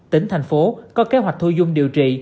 tỉnh thành phố có kế hoạch thu dung điều trị